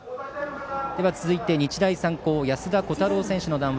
続いて、日大三高安田虎汰郎選手の談話